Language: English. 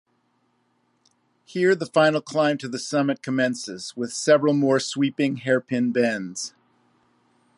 Here the final climb to the summit commences, with several more sweeping hairpin bends.